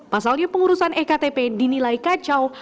pasalnya pengurusan ektp dinilai kacau